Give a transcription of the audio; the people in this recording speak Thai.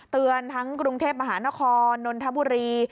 เตือนทั้งกรุงเทพมหานครนนทบุรี